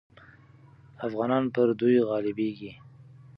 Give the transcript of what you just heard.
افغانان پر دوی غالبېږي.